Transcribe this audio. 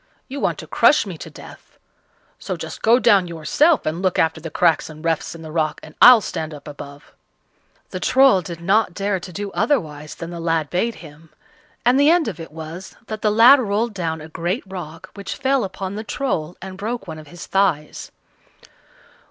You want to crush me to death; so just go down yourself and look after the cracks and refts in the rock, and I'll stand up above." The Troll did not dare to do otherwise than the lad bade him, and the end of it was that the lad rolled down a great rock, which fell upon the Troll and broke one of his thighs.